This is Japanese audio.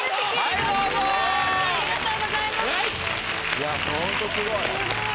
いやホントすごい。